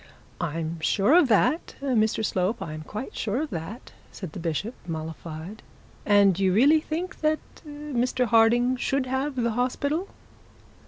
'I am sure of that, Mr Slope, I am quite sure of that;' said the bishop mollified: 'and I really think that Mr Harding should have the hospital.'